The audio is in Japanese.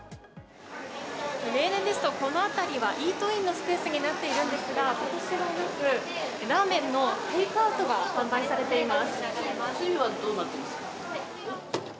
例年ですと、この辺りはイートインのスペースになっているんですが今年はなくラーメンのテイクアウトが販売されています。